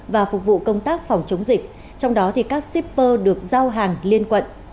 và phục vụ công tác phòng chống dịch trong đó các shipper được giao hàng liên quận